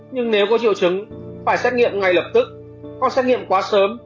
nhưng nếu có triệu chứng phải xét nghiệm ngay lập tức con xét nghiệm quá sớm